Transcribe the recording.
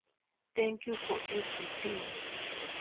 Thank you for everything.